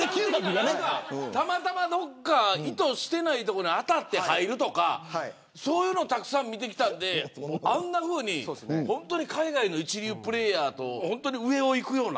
たまたま意図していない所に当たって入るとかそういうのをたくさん見てきたので海外の一流プレーヤーと上をいくような。